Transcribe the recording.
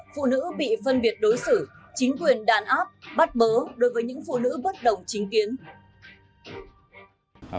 chính quyền đàn áp bắt bớ đối với những phụ nữ bất đồng chính kiến